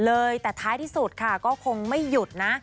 เลยแต่ท้ายที่สุดค่ะก็คงไม่หยุดนะ